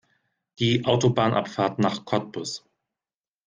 Die Autobahnabfahrt nach Cottbus